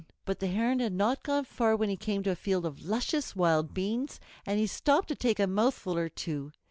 But the Heron had not gone far when he came to a field of luscious wild beans; and he stopped to take a mouthful or two.